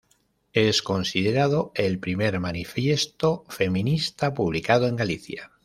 Es considerado el primer manifiesto feminista publicado en Galicia.